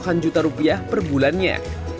duh kan juta rupiah per bulannya